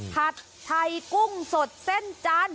ผัดไทยกุ้งสดเส้นจันทร์